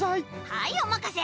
はいおまかせ